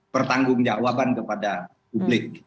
pertanggung jawaban kepada publik